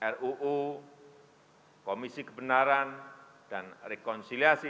ruu komisi kebenaran dan rekonsiliasi